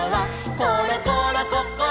「ころころこころ